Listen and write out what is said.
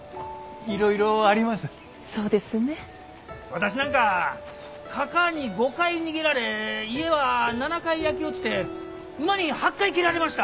私なんかかかあに５回逃げられ家は７回焼け落ちて馬に８回蹴られました。